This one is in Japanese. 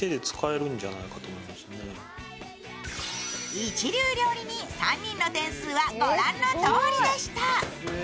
一流料理人３人の点数は御覧のとおりでした。